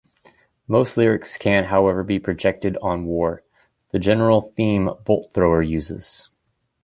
Most lyrics can however be projected on war, the general theme Bolt Thrower uses.